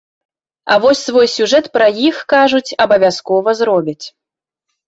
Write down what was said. А вось свой сюжэт пра іх, кажуць, абавязкова зробяць.